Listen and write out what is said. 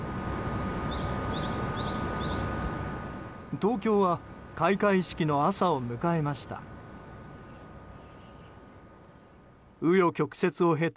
東京は開会式の朝を迎えました。